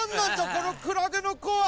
このクラゲのこは。